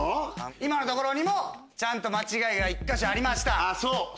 今のにもちゃんと間違いが１か所ありました。